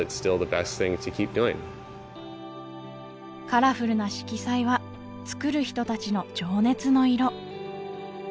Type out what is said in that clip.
カラフルな色彩は作る人達の情熱の色